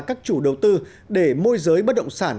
các chủ đầu tư để môi giới bất động sản